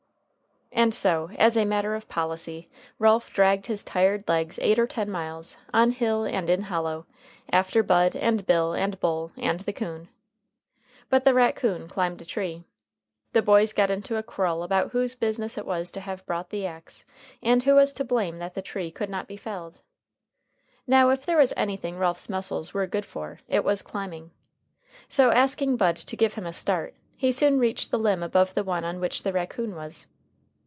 And so, as a matter of policy, Ralph dragged his tired legs eight or ten miles, on hill and in hollow, after Bud, and Bill, and Bull, and the coon. But the raccoon climbed a tree. The boys got into a quarrel about whose business it was to have brought the axe, and who was to blame that the tree could not be felled. Now, if there was anything Ralph's muscles were good for, it was climbing. So, asking Bud to give him a start, he soon reached the limb above the one on which the raccoon was.